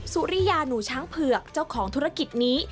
สุริยาหนูช้างเผือกเจ้าของธุรกิจนี้